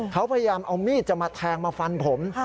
เขาพยายามเอามีดจะมาแทงมาฟันผม